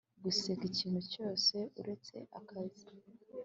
guseka ikintu cyose uretse akazi